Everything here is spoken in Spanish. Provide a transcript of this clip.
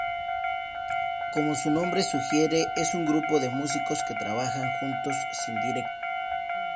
Como su nombre sugiere, es un grupo de músicos que trabajan juntos, sin director.